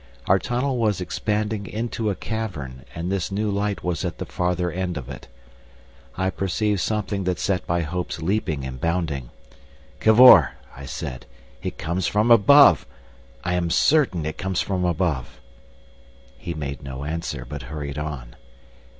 Our tunnel was expanding into a cavern, and this new light was at the farther end of it. I perceived something that set my hopes leaping and bounding. "Cavor," I said, "it comes from above! I am certain it comes from above!" He made no answer, but hurried on.